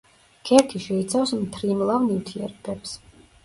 ქერქი შეიცავს მთრიმლავ ნივთიერებებს.